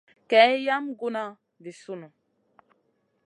Kay yam guna vi sunù.